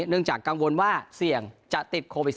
เนื่องจากกังวลว่าเสี่ยงจะติดโควิด๑